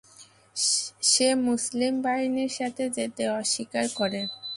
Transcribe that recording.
সে মুসলিম বাহিনীর সাথে যেতে অস্বীকার করে।